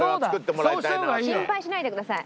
心配しないでください。